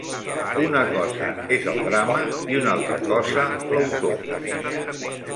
Una cosa és el drama i una altra cosa l'autor